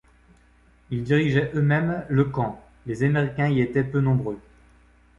Ils dirigeaient eux-mêmes le camp, les Américains y étaient peu nombreux.